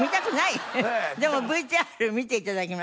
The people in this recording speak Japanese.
でもＶＴＲ見て頂きます。